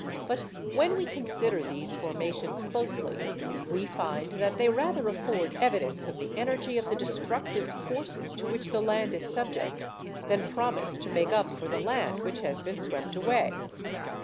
But when we consider these formations closely, we find that they rather afford evidence of the energy of the destructive forces to which the land is subject than promise to make up for the land which has been swept away.